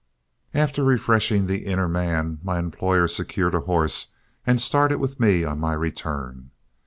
After refreshing the inner man, my employer secured a horse and started with me on my return.